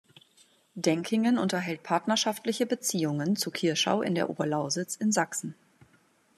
Denkingen unterhält partnerschaftliche Beziehungen zu Kirschau in der Oberlausitz in Sachsen.